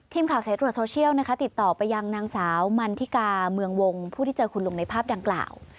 ทีมข่าวสายตรวจโซเชียลนะคะติดต่อไปยังนางสาวมันทิกาเมืองวงผู้ที่เจอคุณลุงในภาพดังกล่าว